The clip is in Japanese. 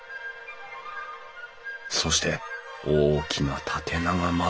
そして大きな縦長窓。